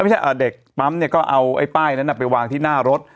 เด็กปั๊มเนี่ยก็เอาไอ้ป้ายนั้นไปวางที่หน้ารถ